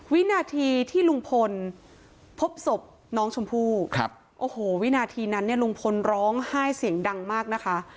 วินาทีที่ลุงพลพบศพน้องชมพู่โอ้โหวินาทีนั้นเนี่ยลุงพลร้องไห้เสียงดังมากนะคะ